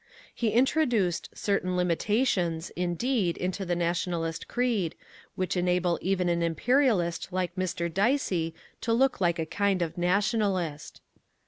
He introduced "certain limitations," indeed, into the Nationalist creed, which enable even an Imperialist like Mr. Dicey to look like a kind of Nationalist.